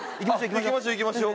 行きましょう行きましょう。